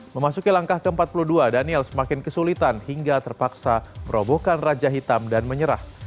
memasuki langkah ke empat puluh dua daniel semakin kesulitan hingga terpaksa merobohkan raja hitam dan menyerah